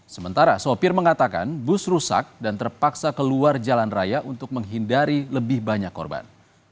sementara sopir mengatakan bus rusak dan terpaksa keluar jalan raya untuk menghindari lebih banyak korban